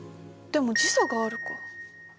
でも時差があるか。